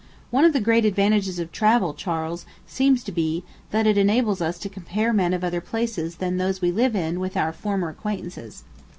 One of the great advantages of travel, Charles, seems to be, that it enables us to compare men of other places than those we live in with our former acquaintances.